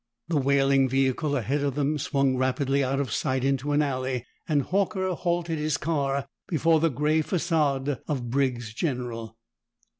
The wailing vehicle ahead of them swung rapidly out of sight into an alley, and Horker halted his car before the gray facade of Briggs General.